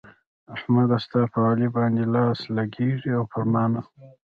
احمده! ستا په علي باندې لاس لګېږي او پر ما نه.